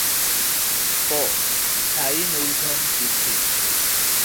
ক. স্থায়ী মূলধন বৃদ্ধি